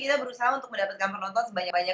kita berusaha untuk mendapatkan penonton sebanyak banyak